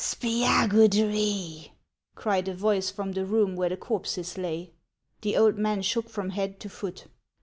"Spiagudry!" cried a voice from the room where the corpses lay. The old man shook from head to foot.